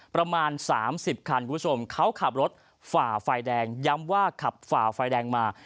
ประมาณ๓๐คันคุณผู้ชมเขาขับรถฝ่าไฟแดงย้ำว่าขับฝ่าไฟแดงมา